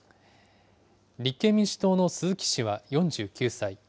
立憲民主党の鈴木氏は４９歳。